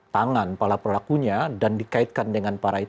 tangan kepala perlakunya dan dikaitkan dengan parah